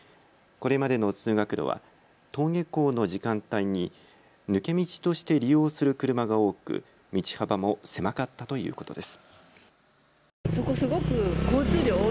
これまでの通学路は登下校の時間帯に抜け道として利用する車が多く道幅も狭かったということです。